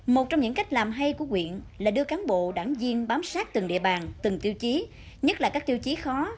một trong những cách làm hay của huyện là đưa cán bộ đảng viên bám sát từng địa bàn từng tiêu chí